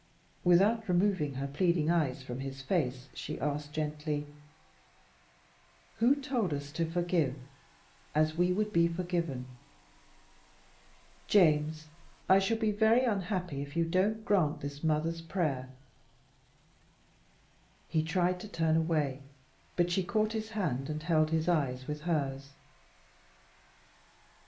Without removing her pleading eyes from his face she asked gently, "Who told us to forgive as we would be forgiven? James, I shall be very unhappy if you don't grant this mother's prayer." He tried to turn away, but she caught his hand and held his eyes with hers.